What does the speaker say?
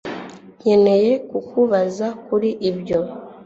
Nkeneye kukubaza kuri ibyo